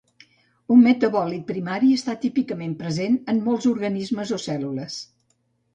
Un metabòlit primari està típicament present en molts organismes o cèl·lules.